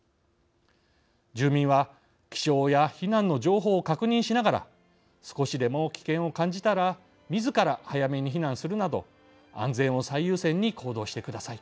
住民は気象や避難の情報を確認しながら少しでも危険を感じたらみずから早めに避難するなど安全を最優先に行動してください。